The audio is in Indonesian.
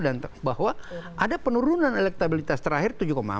dan bahwa ada penurunan elektabilitas terakhir tujuh empat